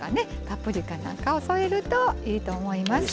パプリカなんかを添えるといいと思います。